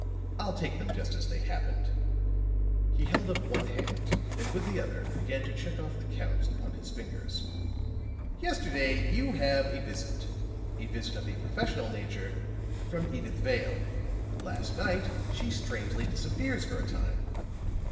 I'll take them just as they happened." He held up one hand and with the other began to check off the counts upon his fingers. "Yesterday you have a visit a visit of a professional nature from Edyth Vale. Last night she strangely disappears for a time.